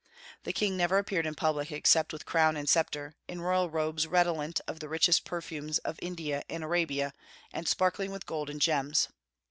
The king never appeared in public except with crown and sceptre, in royal robes redolent of the richest perfumes of India and Arabia, and sparkling with gold and gems.